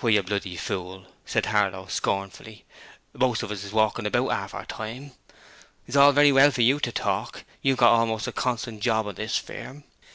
'Why, you bloody fool,' said Harlow, scornfully, 'most of us is walkin' about 'arf our time. It's all very well for you to talk; you've got almost a constant job on this firm.